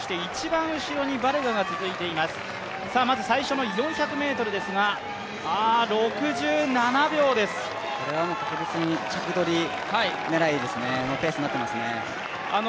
最初の４００ｍですが、６７秒です確実に着取り狙いのペースになっていますね。